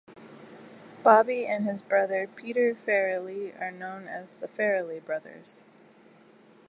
Bobby and his brother Peter Farrelly are known as The Farrelly brothers.